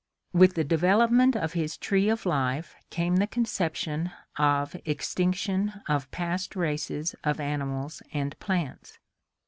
With the development of his tree of life came the conception of extinction of past races of animals and plants.